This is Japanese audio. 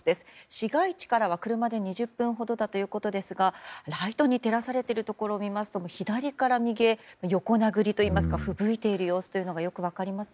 市街地からは車で２０分ほどということですがライトで照らされているところを見ますと左から右へ横殴りといいますかふぶいている様子が分かります。